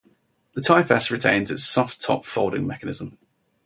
The Type S retains its soft top folding mechanism.